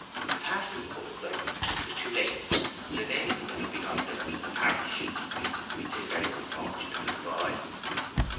The parson put it right, but 'twas too late, for the name could never be got rid of in the parish. 'Tis very unfortunate for the boy."